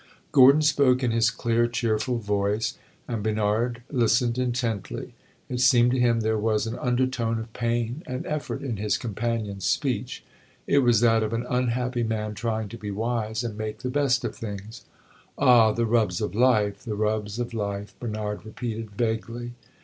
Gordon spoke in his clear, cheerful voice, and Bernard listened intently. It seemed to him there was an undertone of pain and effort in his companion's speech; it was that of an unhappy man trying to be wise and make the best of things. "Ah, the rubs of life the rubs of life!" Bernard repeated vaguely.